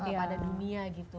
pada dunia gitu